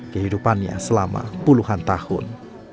kehidupannya selama puluhan tahun